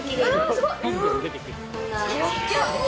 すごい。